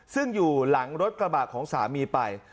ซึ่งอยู่หลังรถกระบะของสามีไป